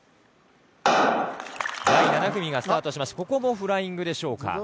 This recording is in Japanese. ここもフライングでしょうか。